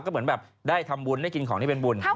ก็เหมือนแบบได้ทำบุญได้กินของที่เป็นบุญ